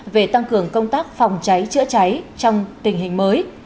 về tăng cường công tác phòng cháy chữa cháy trong tình hình mới